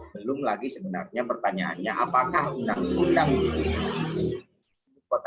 belum lagi sebenarnya pertanyaannya apakah undang undang ibu kota